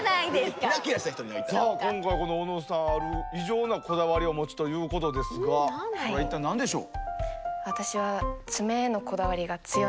さあ今回この小野さんはある異常なこだわりを持つということですがこれは一体何でしょう？